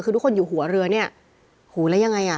คือทุกคนอยู่หัวเรือเนี่ยหูแล้วยังไงอ่ะ